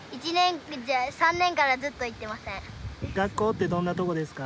学校ってどんなとこですか？